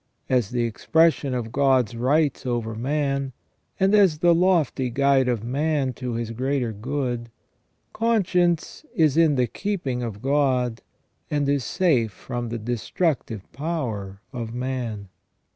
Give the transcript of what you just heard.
As the expression of God's rights over man, and as the lofty guide of man to his greater good, conscience is in the keeping of God, and is safe from the destructive power of man.